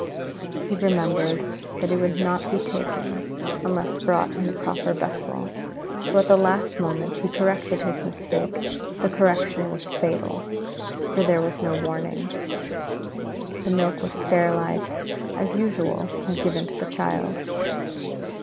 He remembered that it would not be taken unless brought in the proper vessel, so at the last moment he corrected his mistake, but the correction was fatal, for there was no warning. The milk was sterilized as usual and given to the child.